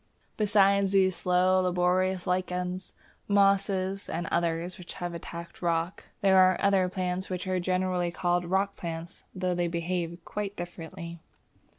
Besides these slow, laborious lichens, mosses, and others which attack rock, there are other plants which are generally called rock plants, though they behave quite differently.